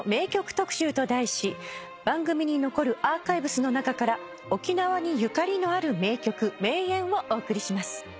番組に残るアーカイブスの中から沖縄にゆかりのある名曲名演をお送りします。